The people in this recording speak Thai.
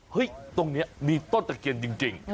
เฮ้ยตรงนี้นี่ต้นตะเคียนจริง